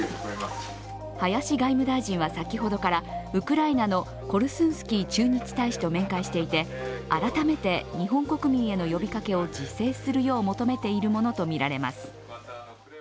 林外務大臣は先ほどから、ウクライナのコルスンスキー駐日大使と面会していて改めて、日本国民への呼びかけを自制するよう求めているものとみられます。